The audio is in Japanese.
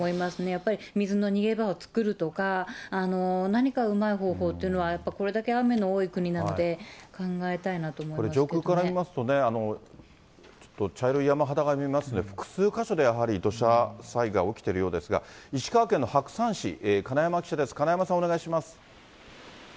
やっぱり、水の逃げ場を作るとか、何かうまい方法というのは、やっぱりこれだけ雨の多い国なので、これ、上空から見ますとね、ちょっと茶色い山肌が見えますんで、複数箇所でやはり土砂災害起きているようですが、石川県の白山市、金山記者です、金山さん、お願いします。